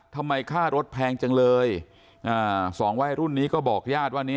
ทำไมค่ารถแพงจังเลยสองว่ายรุ่นนี้ก็บอกญาติว่า